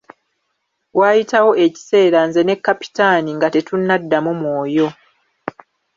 Waayitawo ekiseera nze ne Kapitaani nga tetunnaddamu mwoyo.